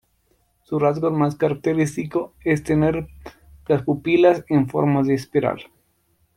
Su rasgo más característico es tener las pupilas en forma de espiral.